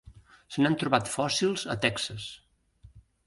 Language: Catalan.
Se n'han trobat fòssils a Texas.